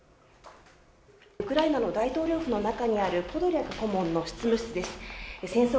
ウクライナの大統領府の中にあるポドリャク顧問の執務室です